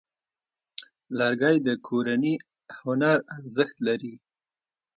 لرګی د کورني هنر ارزښت لري.